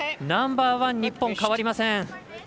ナンバーワン、日本変わりません。